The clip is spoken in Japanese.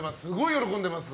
喜んでます。